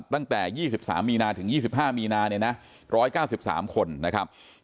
ตั้งแต่๒๓มีนาถึง๒๕มีนา๑๙๓คนนะครับ